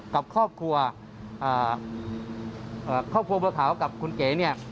กับครอบครัวครอบครัวบัวขาวกับคุณเก๋เนี่ย